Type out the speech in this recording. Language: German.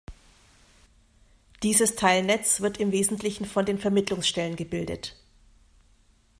Dieses Teilnetz wird im Wesentlichen von den Vermittlungsstellen gebildet.